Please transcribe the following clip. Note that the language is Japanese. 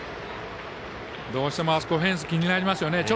どうしても、あそこフェンス気になりますよね。